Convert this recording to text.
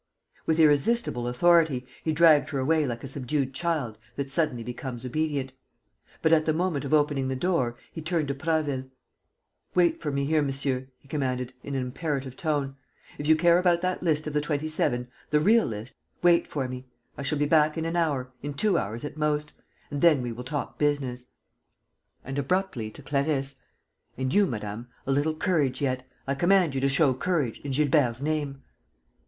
With irresistible authority, he dragged her away like a subdued child that suddenly becomes obedient; but, at the moment of opening the door, he turned to Prasville: "Wait for me here, monsieur," he commanded, in an imperative tone. "If you care about that list of the Twenty seven, the real list, wait for me. I shall be back in an hour, in two hours, at most; and then we will talk business." And abruptly, to Clarisse: "And you, madame, a little courage yet. I command you to show courage, in Gilbert's name."